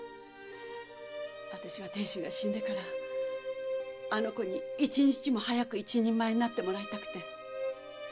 あたしは亭主が死んでからあの子に一日も早く一人前になってもらいたくて。